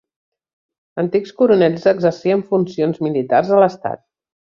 Antics coronels exercien funcions militars a l'estat.